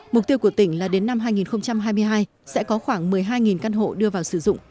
mục tiêu của tỉnh là đến năm hai nghìn hai mươi hai sẽ có khoảng một mươi hai căn hộ đưa vào sử dụng